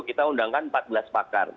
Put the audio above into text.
kita undangkan empat belas pakar